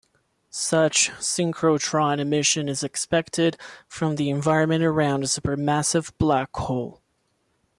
Such synchrotron emission is expected from the environment around a supermassive black hole.